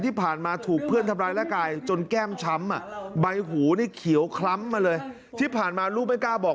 ที่ผ่านมาลูกไม่กล้าบอก